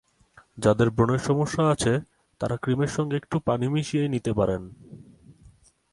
যাঁদের ব্রণের সমস্যা আছে, তাঁরা ক্রিমের সঙ্গে একটু পানি মিশিয়ে নিতে পারেন।